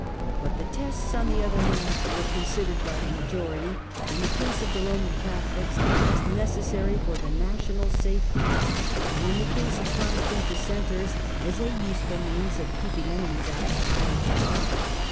But the Tests, on the other hand, were considered by the majority, in the case of the Roman Catholics, as necessary for the national safety; and, in the case of Protestant Dissenters, as a useful means of keeping enemies out of power.